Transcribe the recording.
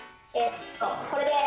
これです。